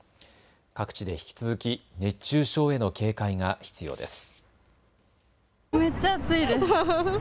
各地で引き続き熱中症への警戒が必要です。